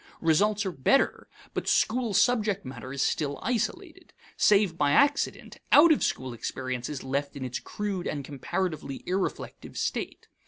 Results are better, but school subject matter is still isolated. Save by accident, out of school experience is left in its crude and comparatively irreflective state.